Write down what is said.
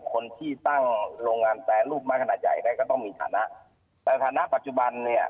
คนที่ตั้งโรงงานแปรรูปไม้ขนาดใหญ่ได้ก็ต้องมีฐานะสถานะปัจจุบันเนี่ย